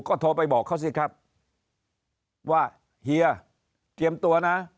ก็โทรไปบอกเขาสิครับว่าเฮียเตรียมตัวนะ